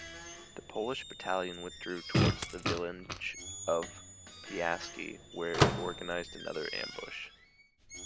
The Polish battalion withdrew towards the village of Piaski, where it organised another ambush.